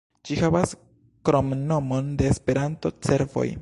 Ĝi havas kromnomon de Esperanto, "Cervoj".